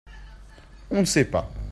on ne sait pas.